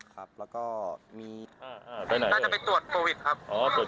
ถ้าจะไปตรวจโควิดครับ